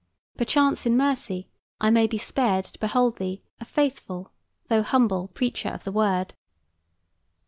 Perchance in mercy I may be spared to behold thee a faithful though humble preacher of the Word.